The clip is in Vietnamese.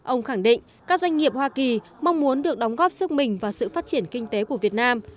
ông khẳng định các doanh nghiệp hoa kỳ mong muốn được đóng góp sức mình vào sự phát triển kinh tế của việt nam